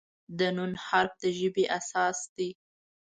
د "ن" حرف د ژبې اساس دی.